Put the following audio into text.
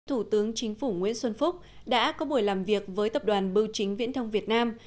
thủ tướng chính phủ nguyễn xuân phúc đã có buổi làm việc với tập đoàn bưu chính viễn thông việt nam